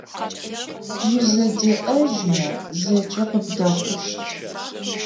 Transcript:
Узэдеӏэжьмэ зэкӏэ къыбдэхъущт.